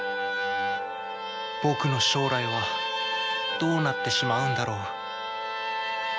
僕の将来はどうなってしまうんだろう？